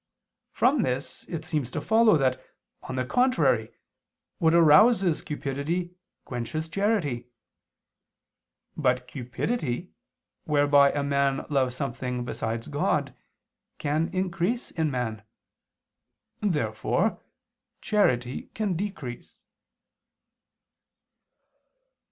From this it seems to follow that, on the contrary, what arouses cupidity quenches charity. But cupidity, whereby a man loves something besides God, can increase in man. Therefore charity can decrease.